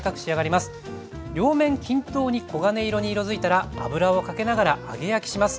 両面均等に黄金色に色づいたら油をかけながら揚げ焼きします。